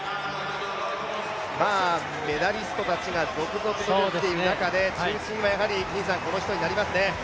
メダリストたちが続々といる中で、中心はやはりこの人になりますね。